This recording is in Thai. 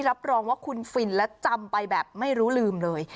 รับรองว่าคุณฟินและจำไปแบบไม่รู้ลืมเลย